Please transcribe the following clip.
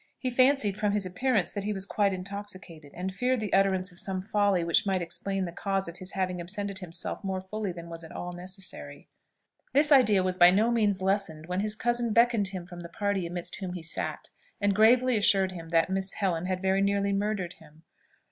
He fancied, from his appearance, that he was quite intoxicated, and feared the utterance of some folly which might explain the cause of his having absented himself more fully than was at all necessary. This idea was by no means lessened when his cousin beckoned him from the party amidst whom he sat, and gravely assured him that Miss Helen had very nearly murdered him.